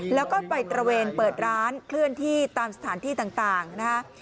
แล้วก็ไปตระเวนเปิดร้านเคลื่อนที่ตามสถานที่ต่างนะฮะ